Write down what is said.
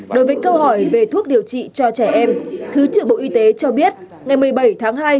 đối với câu hỏi về thuốc điều trị cho trẻ em thứ trưởng bộ y tế cho biết ngày một mươi bảy tháng hai